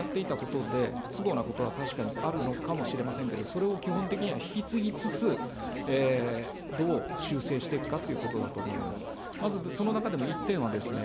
だから、前の政権がやっていたことで、不都合なことは確かにあるのかもしれませんけれども、それを基本的には引き継ぎつつ、どう修正していくかっていうことだと思います。